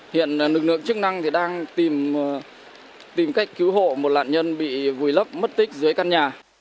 hiện lực lượng chức năng đang tìm cách cứu hộ một nạn nhân bị vùi lấp mất tích dưới căn nhà